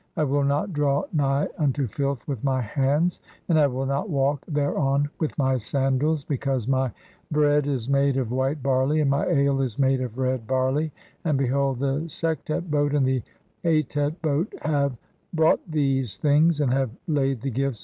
I will not draw nigh unto filth with my hands, "and I will not walk (5) thereon with my sandals, because my "bread [is made] of white barley, and my ale [is made] of red "barley ; and behold, the Sektet boat and the Atet boat have "brought these things (6) and have laid the gifts